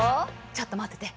ちょっと待ってて。